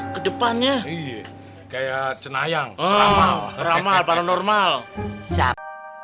kedepannya kayak cenayang ramal ramal paranormal siap